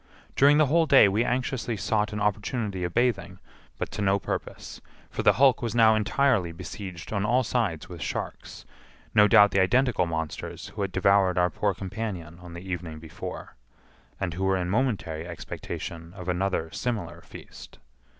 During the whole day we anxiously sought an opportunity of bathing, but to no purpose; for the hulk was now entirely besieged on all sides with sharks—no doubt the identical monsters who had devoured our poor companion on the evening before, and who were in momentary expectation of another similar feast.